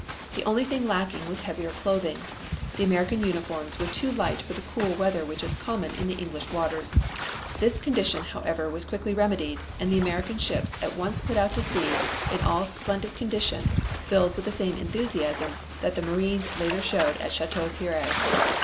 The only thing lacking was heavier clothing. The American uniforms were too light for the cool weather which is common in the English waters. This condition, however, was quickly remedied, and the American ships at once put out to sea all in splendid condition and filled with the same enthusiasm that the Marines showed later at Chateau Thierry.